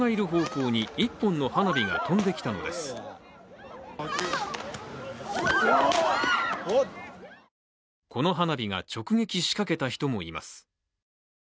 この花火が直撃しかけた人もいます。